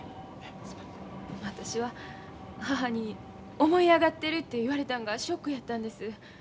私は母に思い上がってるって言われたんがショックやったんです。